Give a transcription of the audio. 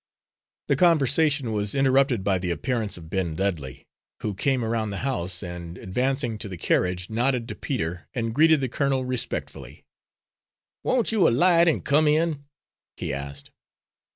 The conversation was interrupted by the appearance of Ben Dudley, who came around the house, and, advancing to the carriage, nodded to Peter, and greeted the colonel respectfully. "Won't you 'light and come in?" he asked.